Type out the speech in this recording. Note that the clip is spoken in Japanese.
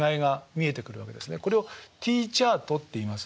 これをＴチャートっていいます。